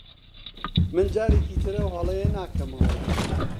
من جارێکی تر ئەو هەڵەیە ناکەمەوە.